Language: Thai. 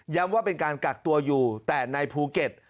ว่าเป็นการกักตัวอยู่แต่ในภูเก็ต